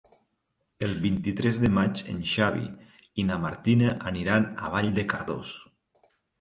El vint-i-tres de maig en Xavi i na Martina aniran a Vall de Cardós.